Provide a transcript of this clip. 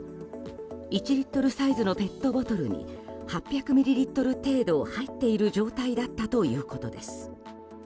１リットルサイズのペットボトルに８００ミリリットル程度入っている状態だったということです。